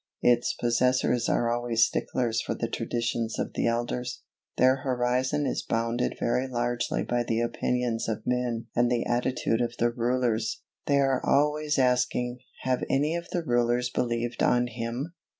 Its possessors are always sticklers for the traditions of the elders; their horizon is bounded very largely by the opinions of men and the attitude of the rulers. They are always asking, "Have any of the rulers believed on Him?"